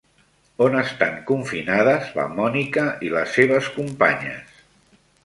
On estan confinades la Mònica i les seves companyes?